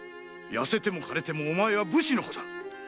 痩せても枯れてもお前は武士の子だ！